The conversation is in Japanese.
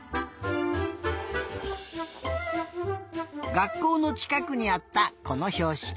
がっこうのちかくにあったこのひょうしき。